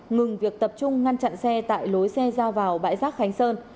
ngừng việc tập trung ngăn chặn xe tại lối xe ra vào bãi rác khánh sơn